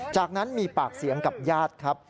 จากนั้นมีปากเสียงกับญาติครับ